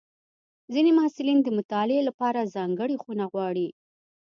ځینې محصلین د مطالعې لپاره ځانګړې خونه غواړي.